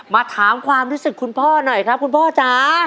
มาถามความรู้สึกคุณพ่อหน่อยครับคุณพ่อจ๋า